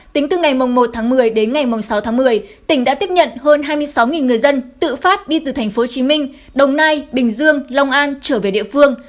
tính từ ngày một tháng một mươi đến ngày sáu tháng một mươi tỉnh đã tiếp nhận hơn hai mươi sáu người dân tự phát đi từ tp hcm đồng nai bình dương long an trở về địa phương